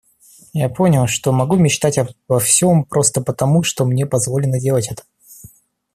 Я понял, что могу мечтать обо всем просто потому, что мне позволено делать это.